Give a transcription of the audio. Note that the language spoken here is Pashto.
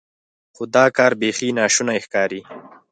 خو دا کار بیخي ناشونی ښکاري.